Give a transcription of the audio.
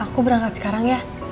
aku berangkat sekarang ya